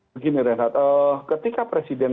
begini renat ketika presiden